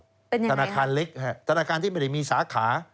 เป็นอย่างไรครับธนาคารเล็กธนาคารที่ไม่ได้มีสาขา